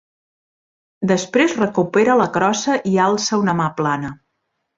Després recupera la crossa i alça una mà plana.